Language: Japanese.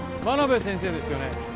真鍋先生ですよね